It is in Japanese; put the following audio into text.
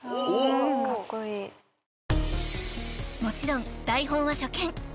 ［もちろん台本は初見］